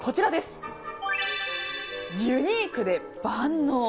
ユニークで万能。